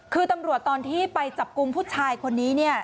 คือตำรวจตอนที่ไปจับกลุ่มผู้ชายคนนี้เนี่ย